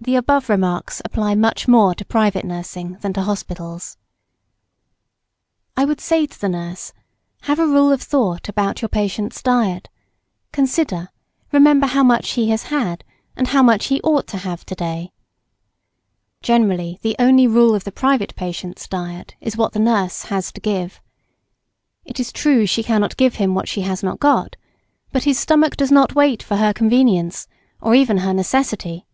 The above remarks apply much more to private nursing than to hospitals. [Sidenote: Nurse must have some rule of thought about her patient's diet.] I would say to the nurse, have a rule of thought about your patient's diet; consider, remember how much he has had, and how much he ought to have to day. Generally, the only rule of the private patient's diet is what the nurse has to give. It is true she cannot give him what she has not got; but his stomach does not wait for her convenience, or even her necessity.